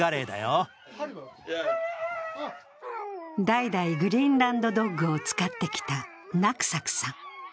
代々、グリーンランド・ドッグを使ってきたナクサクさん。